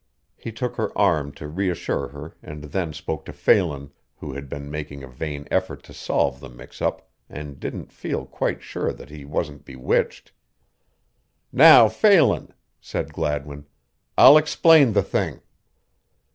He took her arm to reassure her and then spoke to Phelan, who had been making a vain effort to solve the mix up and didn't feel quite sure that he wasn't bewitched. "Now, Phelan," said Gladwin, "I'll explain the thing."